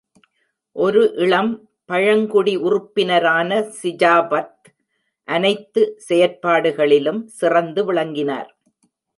ஒரு இளம் பழங்குடி உறுப்பினரான, சிஜாபத் அனைத்து செயற்பாடுகளிலும் சிறந்து விளங்கினார்.